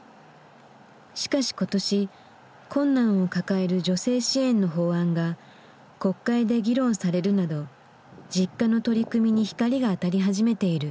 しかし今年困難を抱える女性支援の法案が国会で議論されるなどＪｉｋｋａの取り組みに光が当たり始めている。